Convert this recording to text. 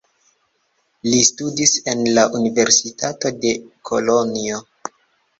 Li studis en la universitato de Kolonjo.